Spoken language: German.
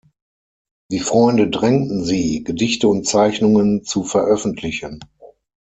Die Freunde drängten sie, Gedichte und Zeichnungen zu veröffentlichen.